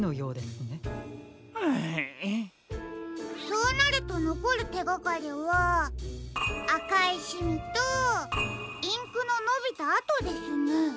そうなるとのこるてがかりはあかいシミとインクののびたあとですね。